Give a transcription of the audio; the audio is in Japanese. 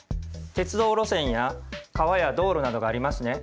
鉄道路線や川や道路などがありますね。